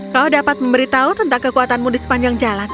kau dapat memberitahu tentang kekuatanmu di sepanjang jalan